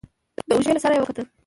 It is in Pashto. د اوږې له سره يې وکتل.